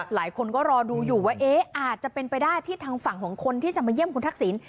หลายคนก็รอดูอยู่ว่าเอ๊ะอาจจะเป็นไปได้ที่ทางฝั่งของคนที่จะมาเยี่ยมคุณทักษิณ